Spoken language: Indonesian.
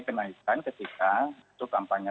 kenaikan ketika itu kampanye